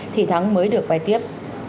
thì thắng mới được vay tiếp